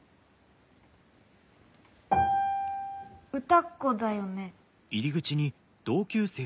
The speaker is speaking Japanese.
歌子だよね？